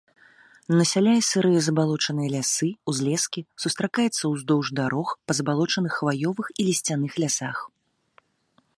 Насяляе сырыя забалочаныя лясы, узлескі, сустракаецца ўздоўж дарог па забалочаных хваёвых і лісцяных лясах.